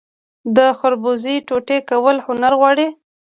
د خربوزې ټوټې کول هنر غواړي.